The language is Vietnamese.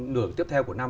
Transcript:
nửa tiếp theo của năm